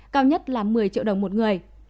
cao nhất là một mươi triệu đồng một người